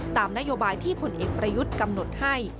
ตามนโยบายที่ผลเอกประยุทธ์กำหนดให้